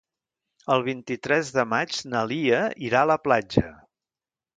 El vint-i-tres de maig na Lia irà a la platja.